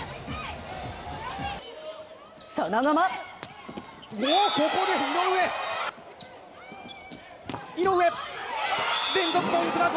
その後もここで井上！